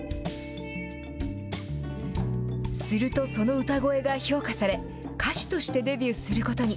すると、その歌声が評価され、歌手としてデビューすることに。